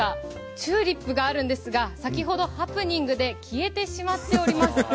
チューリップがあるんですが、先ほどハプニングで消えてしまっております。